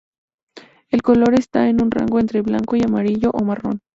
El color está en un rango entre el blanco y el amarillo o marrón.